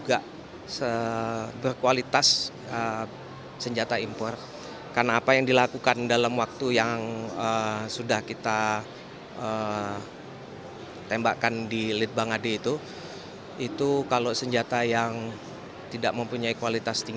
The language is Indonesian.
akan lulus letbang adinya